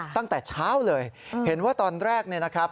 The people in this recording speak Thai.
ตั้งแต่เช้าเลยเห็นว่าตอนแรกเนี่ยนะครับ